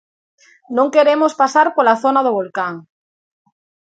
Non queremos pasar pola zona do volcán.